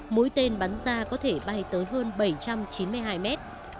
mũi tên bắn xa có thể bay tới hơn bảy trăm chín mươi hai mét